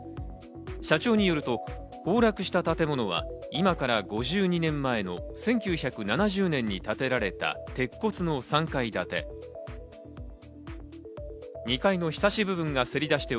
社長によると、崩落した建物は今から５２年前の１９７０年に建てられた鉄骨の３階建て。